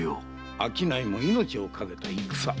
商いも命をかけた戦。